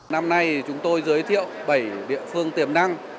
năm nay chúng tôi giới thiệu bảy địa phương tiềm năng